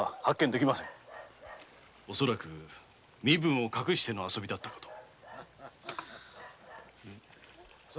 恐らく身分を隠しての遊びだったかと。